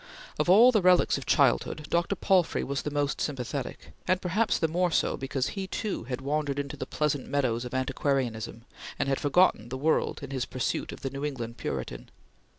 Of all the relics of childhood, Dr. Palfrey was the most sympathetic, and perhaps the more so because he, too, had wandered into the pleasant meadows of antiquarianism, and had forgotten the world in his pursuit of the New England Puritan.